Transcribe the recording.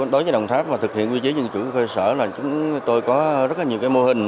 đối với đồng tháp thực hiện quy chế dân chủ cơ sở là tôi có rất nhiều mô hình